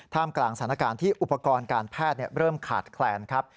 กลางสถานการณ์ที่อุปกรณ์การแพทย์เริ่มขาดแคลนครับ